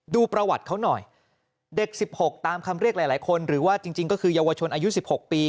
ดูประวัติเขาหน่อยเด็ก๑๖ตามคำเรียกหลายคนหรือว่าจริงก็คือเยาวชนอายุ๑๖ปี